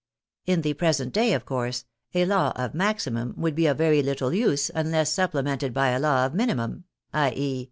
In the present day, of course, a law of maximum would be of very little use unless supplemented by a law of minimum — i. e.